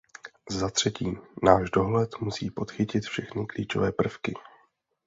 Zatřetí, náš dohled musí podchytit všechny klíčové prvky.